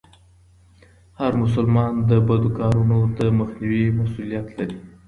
هر مسلمان د بدو کارونو د مخنيوي مسئوليت لري.